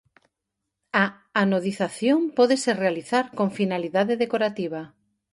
A anodización pódese realizar con finalidade decorativa.